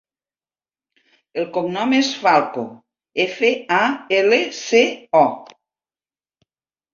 El cognom és Falco: efa, a, ela, ce, o.